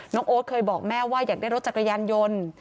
โอ๊ตเคยบอกแม่ว่าอยากได้รถจักรยานยนต์